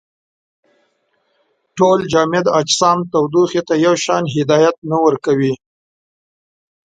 ټول جامد اجسام تودوخې ته یو شان هدایت نه ورکوي.